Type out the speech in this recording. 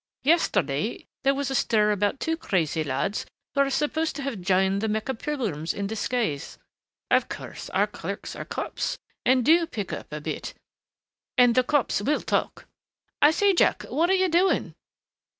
Yesterday there was a stir about two crazy lads who are supposed to have joined the Mecca pilgrims in disguise.... Of course our clerks are Copts and do pick up a bit and the Copts will talk.... I say, Jack, what are you doing?"